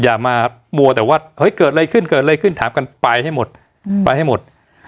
อย่ามามววแต่ว่าเกิดอะไรขึ้นถามกันไปให้หมด